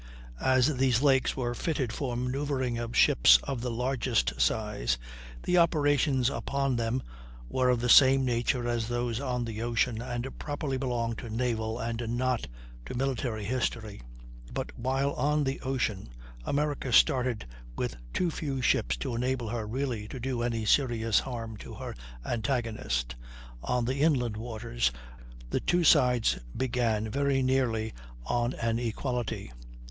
As these lakes were fitted for the manoeuvring of ships of the largest size, the operations upon them were of the same nature as those on the ocean, and properly belong to naval and not to military history. But while on the ocean America started with too few ships to enable her really to do any serious harm to her antagonist, on the inland waters the two sides began very nearly on an equality.